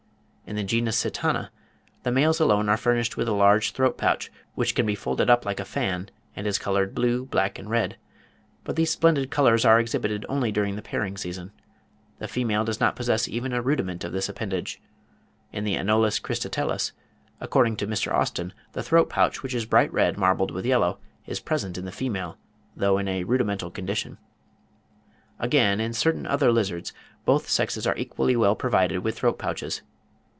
In the genus Sitana, the males alone are furnished with a large throat pouch (Fig. 33), which can be folded up like a fan, and is coloured blue, black, and red; but these splendid colours are exhibited only during the pairing season. The female does not possess even a rudiment of this appendage. In the Anolis cristatellus, according to Mr. Austen, the throat pouch, which is bright red marbled with yellow, is present in the female, though in a rudimental condition. Again, in certain other lizards, both sexes are equally well provided with throat pouches.